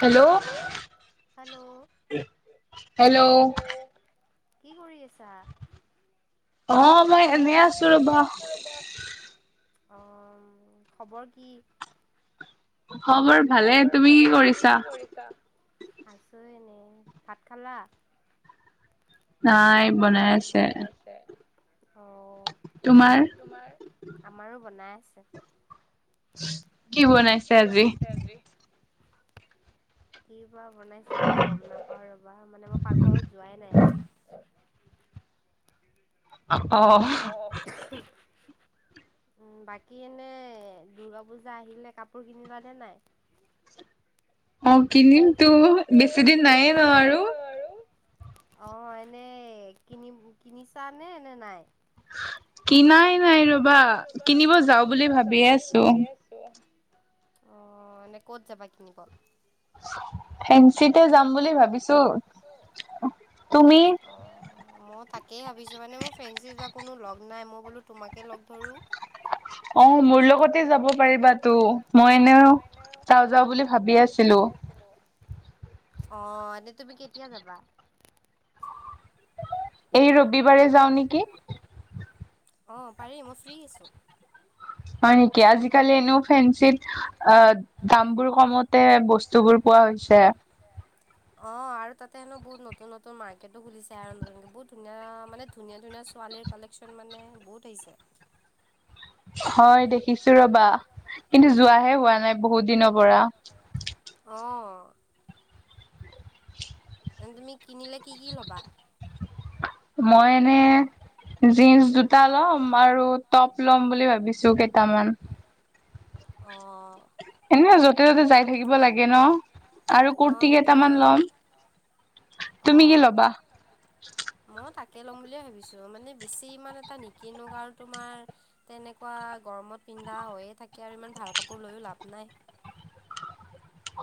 Hello, hello. কি কৰি আছা? অ', মই এনেই আছো ৰবা। অ', খবৰ কি? মোৰ বাৰু ভালে, তুমি কি কৰিছা? আছোঁ এনেই। ভাত খালা? নাই বনাই আছে। অ', তোমাৰ আমাৰো বনাই আছে। কি বনাইছে আজি? [unintelligible] কিবা বনাইছে মই গ'ম নাপাওঁ ৰবা, মানে মই পাকঘৰত যোৱাই নাই আজি। অ'। [inaudible] উম, বাকী এনে দূৰ্গা পূজা আহিলে, কাপোৰ কিনিবা নে নাই? [inaudible] অ', কিনিম তো বেছি দিন নাই ন আৰু। অ', এনেই কিনি কিনিছা নে নে নাই। কিনাই নাই ৰবা কিনিব যাও বুলি ভাবিয়ে আছোঁ। অ', এনে ক'ত যাবা কিনিব? [inaudible] ম থাক [unintelligible] তাকেই ভাবিছোঁ মানে মোৰ ফেঞ্চী যোৱা কোনো লগ নাই মই বোলো তোমাকে লগ ধৰো। অ', মোৰ লগতে যাব পাৰিবা তো মই এনেও যাওঁ যাওঁ বুলি ভাবি আছিলোঁ। অহ, এনে তুমি কেতিয়া যাবা? এই ৰবিবাৰে যাও নেকি। অ', পাৰি মই ফ্ৰী আছোঁ। কি আজিকালি এনেও ফেঞ্চিত অ', দাম বোৰ কমতে বস্তু বোৰ পোৱা হৈছে। [inaudible] অ', আৰু তাতে হেন বহুত নতুন মাৰ্কেটো খুলিছে, আৰু নতুনকে বহুত ধুনীয়া মানে ধুনীয়া, ধুনীয়া, ছোৱালী কালেকচন মানে বহুত আহিছে হয় দেখিছোঁ ৰবা কিন্তু যোৱাহে হোৱা নাই বহুত দিনৰ পৰা। অ'। তুমি কিনিলে কি কি ল'বা। মই এনে জিনন্চ দুটা ল'ম আৰু টপ ল'ম বুলি ভাবিছোঁ কেইটামান অ'। এনে য'তে ত'তে যাই থাকিব লাগে ন আৰু কুৰ্তি কেইটামান ল'ম। তুমি কি ল'বা? কুৰ্তি লম বুলি ভাবিছোঁ মানে বেছি এটা নিকিনো তেনেকুৱা গৰমত [unintelligible] হৈয়ে থাকে আৰু ইমান ভাল কাপোৰ লৈও লাভ নাই।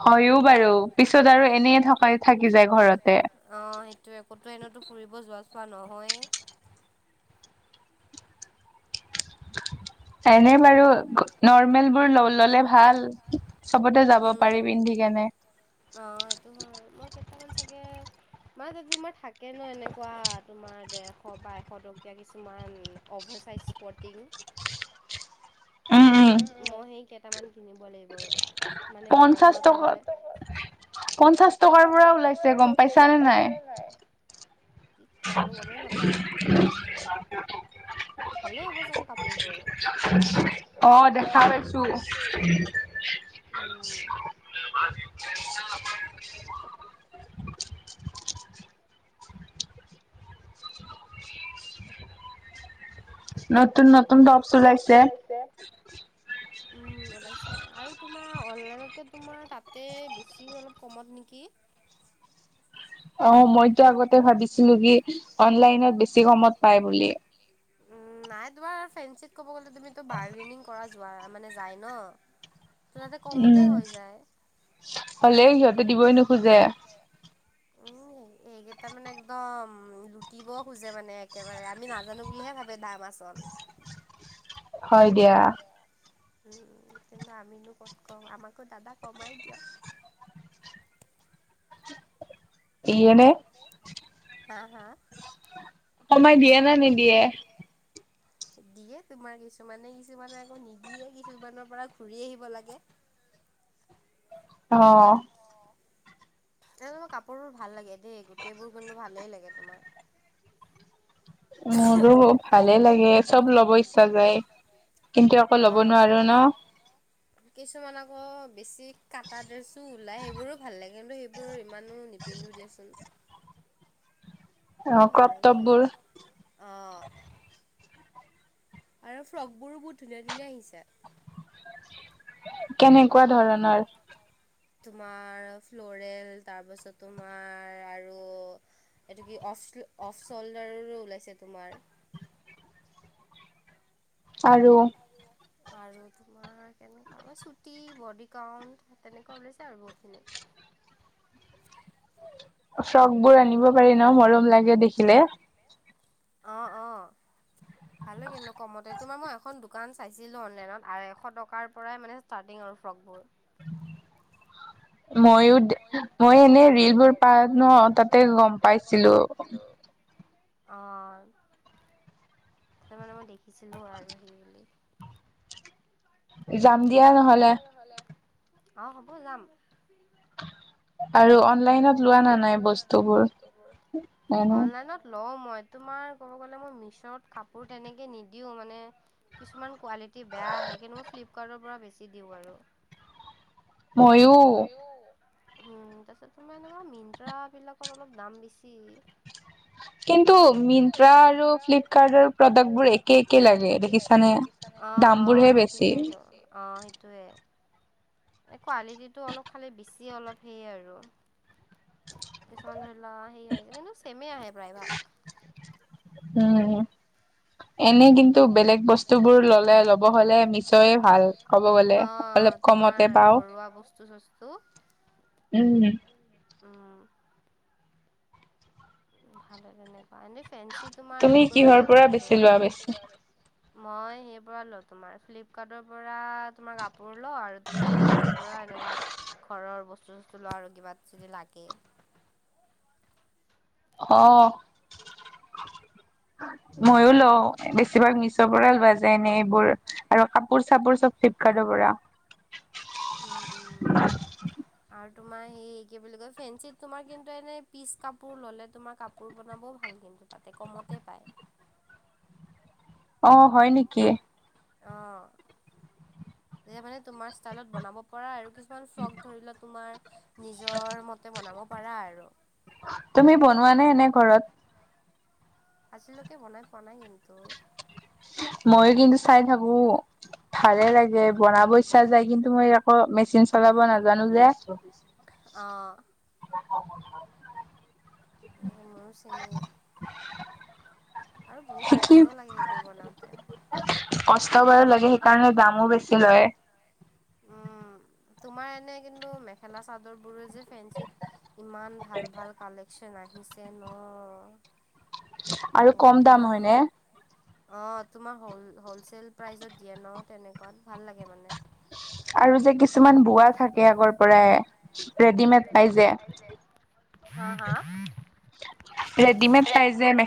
হয়ও বাৰু পিছত আৰু এনেয় থকাই থাকি যায় ঘৰত অ', সেইটো একোতো এনেতো ফুৰিব যোৱা চোৱা নহয় এনেই বাৰু নৰৰ্মেল বোৰ ল ললে ভাল। চবতে যাব পাৰি পিন্ধি কেনে [unintelligible] মা তোমাৰ থাকে ন এনেকুৱা তোমাৰ দেৰশ বা এশ টকীয়া কিছুমান অভা ি [unintelligible] মই সেই কেইটামান কিনিব লাগিব ৰবা মানে গৰমৰ কাৰণে পঞ্চাশ টকাৰ পৰা ওলাইছে গম পাইছা নে নাই। [inaudible] [unintelligible] ভালে হ'ব চাগে কাপোৰবোৰ। মই দেখা পাইছোঁ। [unintelligible] [inaudible] নতুন নতুন টপছ ওলাইছে। [inaudible] আৰু তোমাৰ অনলাইনকে তোমাৰ তাতে বেছি অলপ কমত নেকি? উ [unintelligible] অ', মইতো আগতে ভাবিছিলোঁ কি অনলাইনত বেছি কমত পাই বুলি। উম নাই তোমাৰ ফেঞ্চিত ক'ব গ'লে বাৰ্গে কৰা মানে যায় ন। উম, হলে সিহঁতে দিবই নোখোজে। উম, এইকেইটাৰ মানে একদম লুটিব। খোজে মানে একেবাৰে আমি নাজানো বুলিহে ভাবে দাম আচলত। হয় দিয়া। উম, কিন্তু আমিনো ক'ত কওঁ আমাকো দাদা কমাই দিয়ক। [unintelligible] এয়েনে। হা, হা। কমায় দিয়ে নে নিদিয়ে। [unintelligible] দিয়ে, তোমাৰ কিছুমানে কিছুমানে আকৌ নিদিয়ে কিছুমানৰ পৰা ঘুৰি আহিব লাগে। [unintelligible] অহ' তেনে তোমাৰ কাপোৰবোৰ ভাল লাগে দেই গোটেইবোৰ কিন্তু ভালেই লাগে তোমাৰ। [unintelligible] মোৰো ভালে লাগে চ'ব ল'ব ইচ্ছা যায়। কিন্তু আকৌ ল'ব নোৱাৰো ন। কিছুমান আকৌ বেছি কাটা ড্ৰেছো ওলাই সেইবোৰো ভাল লাগে। কিন্তু সেইবোৰ ইমানো নিপিন্ধো দেচোন। অহ' কটটপবোৰৰ আৰু ফ্ৰকবোৰো বহুত ধুনীয়া ধুনীয়া আহিছে। কেনেকুৱা ধৰণৰ। তোমাৰ ফ্লৰেল তাৰপাছত তোমাৰ আৰু। এইটো কি অফ অফ চল্ডাৰৰো ওলাইছে তোমাৰ। আৰু আৰু আৰু তোমাৰ কেনেকুৱা চুটি বডি কম তেনেকুৱা ওলাইছে আৰু বহুতখিনি। [inaudible] ফ্ৰক বোৰ আনিব পাৰি ন মৰম লাগে দেখিলে। অ' অ' ভাল হয় কিন্তু কমতে। তোমাৰ মই এখন দোকান চাইছিলো অনলাইনত আৰু এশ টকাৰ পৰাই মানে ষ্টাৰ্টিং আৰু ফ্ৰকবোৰ। [inaudible] মইয়ো মই এনেই ৰিল বোৰ পাই ন তাতে গ'ম পাইছিলো। অ' তাতে মানে মই দেখিছিলো আৰু সেই বুলি। যাম দিয়া নহ'লে। আহ হ'ব যাম। আৰু অনলাইনত লোৱা নাযায় বস্তু বোৰ অনলাইনত লও মই। মই তোমাৰ ক'ব গ'লে মই মিছত কাপোৰ তেনেকে নিদিওঁ মানে কিছুমান কোৱালিটি বেয়া আহে, কিন্তু মই ফ্লিপকাৰ্টৰ পৰা বেছি দিওঁ আৰু। ময়ো উম, তাৰ পিছত তোমাৰ এনেকুৱা মিট্ৰা বিলাকৰ অলপ দাম বেছি। কিন্তু মিট্ৰাআৰু ফ্লিপকাৰ্ট প্ৰডাক একে একে লাগে দেখিছানে, অ'। অ' দেখিছো, অ' সেইটো। সেইটোয়ে এ কোৱালিটি টো অলপ খালি বেছি অলপ সেইয়ে আৰু। কিছুমান ধৰিলোৱা সেই আহ কিন্তু চেমে আহ প্ৰায় ভাগ। উম। এনেই কিন্তু বেলেগ বস্তু বোৰ ল'লে ল'ব হ'লে মিছয় ভাল ক'ব গ'লে অলপ কম। তোমাৰ ঘৰুৱা বস্তু চস্তু। উম। ভালে তেনেকুৱা এনে ফেঞ্চি তোমাৰ হে কৰিব ভাল কিন্তু। মই সেই পৰা লওঁ তোমাৰ ফ্লিপকাৰ্টৰ পৰা তোমাৰ। ল আৰু তোমাৰ মিছৰ পৰা এনেকুৱা ঘৰৰ বস্তু চস্তু লওঁ আৰু কিবা যদি লাগে আহ [inaudible] ময়ও লওঁ বেছিভাগ মিচৰ পৰা লোৱা যায় এনে এইবোৰ আৰু কাপোৰ চাপোৰ চব ফ্লিপকাৰ্ট ৰ পৰা উম উম আৰু তোমাৰ সেই কি বুলি কয় ফেঞ্চিত তোমাৰ কিন্তু এনেই পিচ কাপোৰ ল'লে তোমাৰ কাপোৰ বনাবও ভাল কিন্তু তাতে কমতে পায় অ হয় নেকি অ তেতিয়া মানে তোমাৰ ষ্টাইলত বনাব পৰা আৰু কিছু কিছুমান ফ্ৰক ধৰি লোৱা তোমাৰ নিজৰ মতে বনাব পাৰা আৰু তুমি বনোৱা নে এনে ঘৰত আজিলৈকে বনাই পোৱা নাই কিন্তু ময়ো কিন্তু চাই থাকো ভালে লাগে বনাব ইচ্ছা যায় কিন্তু মই আকৌ মেচিন চলাব নাজানো যে অ অ এনেক মোৰো চেমে আৰু বহুত কষ্টও লাগে সেইবোৰ বনাওঁতে কষ্ট বাৰু লাগে সেইকাৰণে দামো বেছি লয় উম তোমাৰ এনে কিন্তু মেখেলা চাদৰ বোৰে যে ফেঞ্চিত ইমান ভাল ভাল কালেকচন আহিছে ন আৰু কম দাম হয় নে অ তোমাৰ হ হলচেল প্ৰাইচত দিয়ে ন তেনেকুৱাত ভাল লাগে মানে আৰু যে কিছুমান বোৱা থাকে আগৰ পৰাই ৰেডিমেড পাই যে হা হা ৰেডিমেড পাই যে ম